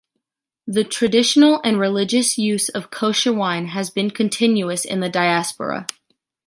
The traditional and religious use of Kosher wine has been continuous in the diaspora.